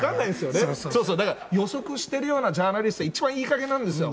そうそう、だから予測しているようなジャーナリスト、一番いいかげんなんですよ。